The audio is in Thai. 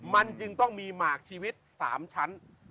มันจึงต้องมีหมากชีวิต๓ชั้น